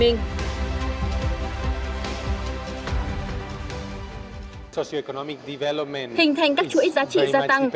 hình thành các chuỗi giá trị gia tăng từ khâu nghiên cứu khoa học nghiên cứu ứng dụng